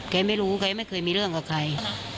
แกไม่รู้แกไม่เคยมีเรื่องกับใคร